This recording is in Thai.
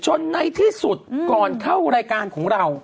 ในที่สุดก่อนเข้ารายการของเรา